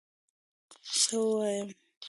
څه ووایم؟!